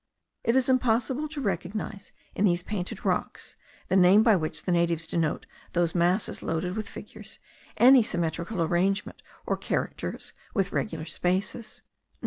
It was impossible to recognize in these painted rocks* (the name by which the natives denote those masses loaded with figures) any symmetrical arrangement, or characters with regular spaces.